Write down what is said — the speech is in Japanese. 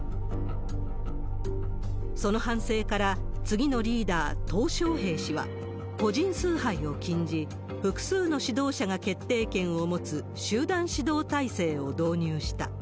その反省から、次のリーダー、小平氏は個人崇拝を禁じ、複数の指導者が決定権を持つ集団指導体制を導入した。